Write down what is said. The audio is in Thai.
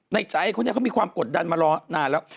ในใจเขาเนี่ยเขามีความกดดันมารอนานแล้ว